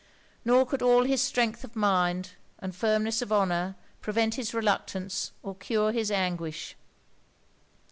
Nor could all his strength of mind, and firmness of honour, prevent his reluctance or cure his anguish.